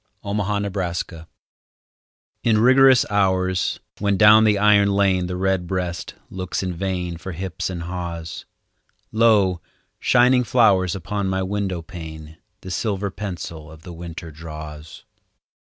XVII—WINTER In rigorous hours, when down the iron lane The redbreast looks in vain For hips and haws, Lo, shining flowers upon my window pane The silver pencil of the winter draws.